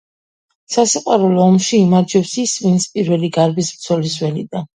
სასიყვარულო ომში იმარჯვებს ის, ვინც პირველი გარბის ბრძოლის ველიდან.